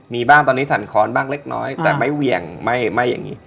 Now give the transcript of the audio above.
มีบ้างตอนนี้สั่นค้อนบ้างเล็กน้อยแต่ไม่เหวี่ยงไม่อย่างนี้